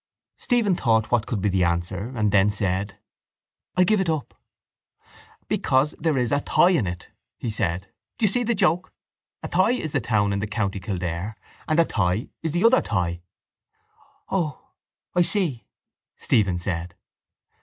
Stephen thought what could be the answer and then said: —I give it up. —Because there is a thigh in it, he said. Do you see the joke? Athy is the town in the county Kildare and a thigh is the other thigh. —Oh, I see, Stephen said.